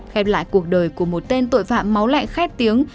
khép lại cuộc đời của một tên tội phạm máu lạnh khét tiếng